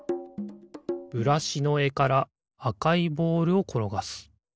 ブラシのえからあかいボールをころがす。